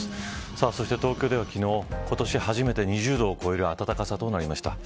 そして東京では、昨日今年初めて２０度を超える暖かさとなりました。